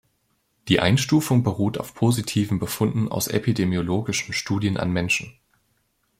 Die Einstufung beruht auf positiven Befunden aus epidemiologischen Studien an Menschen.